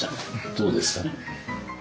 どうですか？